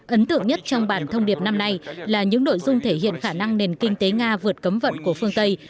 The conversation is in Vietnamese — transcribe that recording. ấn tượng nhất trong bản thông điệp năm nay là những nội dung thể hiện khả năng nền kinh tế nga vượt cấm vận của phương tây